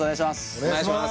お願いします